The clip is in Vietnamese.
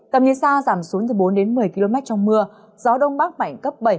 cầm nhiệt sa giảm xuống từ bốn một mươi km trong mưa gió đông bắc mạnh cấp bảy